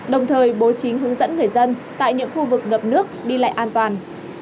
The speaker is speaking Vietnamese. đồng thời bố trí hướng dẫn người dân tại những khu vực ngập nước đi lại an toàn